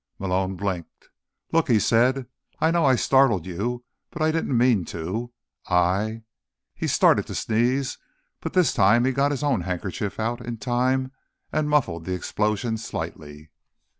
Malone blinked. "Look," he said. "I know I startled you, but I didn't mean to. I—" He started to sneeze, but this time he got his own handkerchief out in time and muffled the explosion slightly.